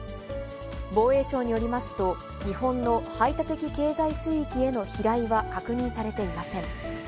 防衛省によりますと、日本の排他的経済水域への飛来は確認されていません。